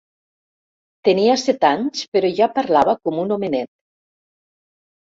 Tenia set anys, però ja parlava com un homenet.